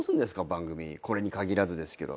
番組これに限らずですけど。